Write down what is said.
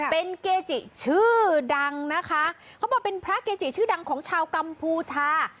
เป็นเกจิชื่อดังนะคะเขาบอกเป็นพระเกจิชื่อดังของชาวกัมพูชา